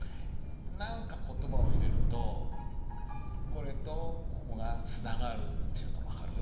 何か言葉を入れるとこれとここがつながるっていうの分かる？